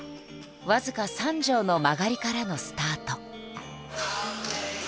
僅か３畳の間借りからのスタート。